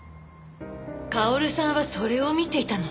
薫さんはそれを見ていたのね？